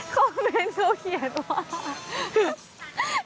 คอมเมนต์เขาเขียนว่า